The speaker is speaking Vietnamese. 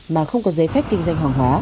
mà không có giấy phép kinh doanh hàng hóa